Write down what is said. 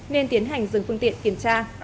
nên tiến hành dừng phương tiện kiểm tra